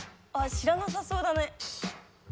知らなさそうだね